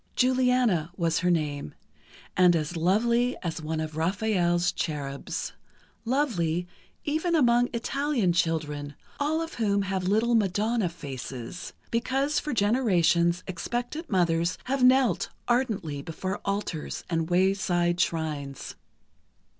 Juliana was her name, and as lovely as one of Raphael's cherubs—lovely, even among Italian children, all of whom have little madonna faces, because for generations expectant mothers have knelt ardently before altars and wayside shrines.